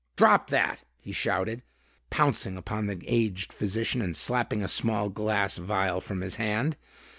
"Drop that!" he shouted, pouncing upon the aged physician and slapping a small glass vial from his hand.